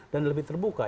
dan lebih terbuka